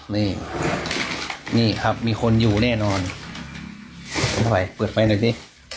นี่นี่ครับมีคนอยู่แน่นอนผมถอยเปิดไฟหน่อยสิ